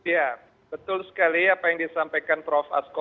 ya betul sekali apa yang disampaikan prof asko